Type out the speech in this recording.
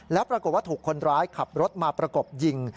แล้วปรากฏว่าถูกคนร้ายขับรถมาประกบยิง